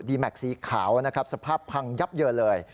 แม็กซีขาวนะครับสภาพพังยับเยินเลย